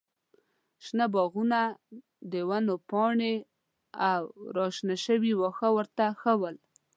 شنه باغونه، د ونو پاڼې او راشنه شوي واښه ورته ښه ول.